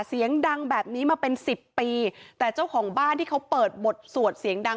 เสียงดังแบบนี้มาเป็นสิบปีแต่เจ้าของบ้านที่เขาเปิดบทสวดเสียงดัง